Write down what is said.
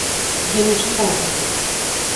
Я не чакаў такога.